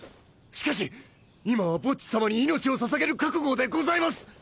しかし今はボッジ様に命を捧げる覚悟でございます！